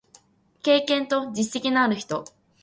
経験と実績のある人